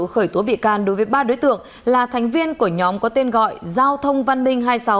khởi tố bị can đối với ba đối tượng là thành viên của nhóm có tên gọi giao thông văn minh hai mươi sáu